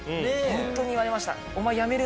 ホントに言われました。